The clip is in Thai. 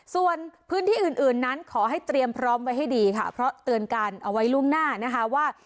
ส่วนพื้นที่อื่นอื่นนั้นขอให้เตรียมพร้อมไว้ให้ดีค่ะเพราะเตือนกันเอาไว้ล่วงหน้านะคะว่า